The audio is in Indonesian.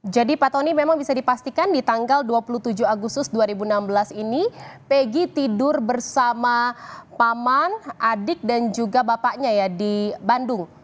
jadi pak tony memang bisa dipastikan di tanggal dua puluh tujuh agustus dua ribu enam belas ini peggy tidur bersama paman adik dan juga bapaknya ya di bandung